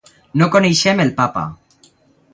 No coneixem el Papa.